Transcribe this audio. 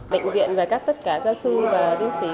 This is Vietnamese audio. bệnh viện và các tất cả gia sư và viên sĩ